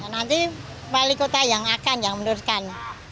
nanti wali kota yang akan yang meneruskan